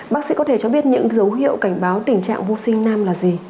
bác sĩ có thể cho biết những dấu hiệu cảnh báo tình trạng vô sinh nam là gì